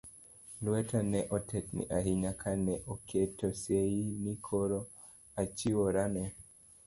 Lweta ne otetni ahinya ka ne aketo seyi ni koro achiwora ne